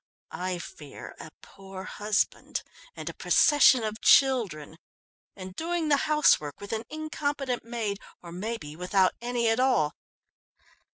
I fear a poor husband and a procession of children, and doing the housework with an incompetent maid, or maybe without any at all.